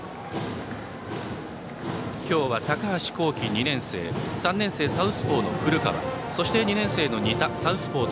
今日は高橋煌稀、２年生３年生、サウスポーの古川そして２年生の仁田、サウスポー。